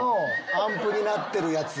アンプになってるやつ。